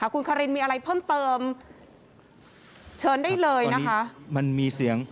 คุณคารินมีอะไรเพิ่มเติมเชิญได้เลยนะคะ